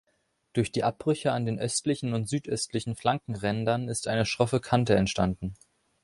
Durch die Abbrüche an den östlichen und südöstlichen Flankenrändern ist eine schroffe Kante entstanden.